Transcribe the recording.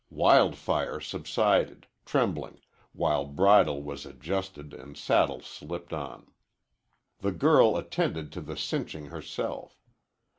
Wild Fire subsided, trembling, while bridle was adjusted and saddle slipped on. The girl attended to the cinching herself.